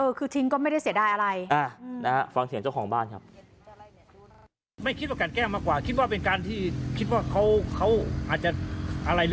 เออคือทิ้งก็ไม่ได้เสียดายอะไร